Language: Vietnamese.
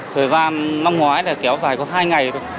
thời gian năm ngoái là kéo dài có hai ngày thôi